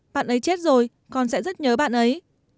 bạn ấy chết rồi con sẽ rất nhớ bạn ấy